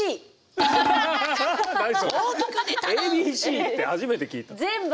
ＡＢＣって初めて聞いた。